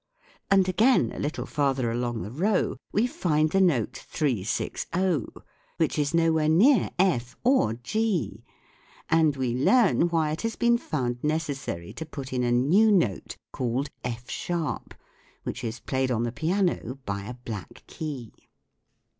And again a little farther along the row we find the note 360, which is nowhere near F or G ; and we learn why it has been found necessary to put in a new note called F sharp which is played on the piano by a black key.